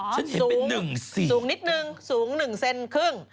สูงนิดนึงสูง๑เซนครึ่ง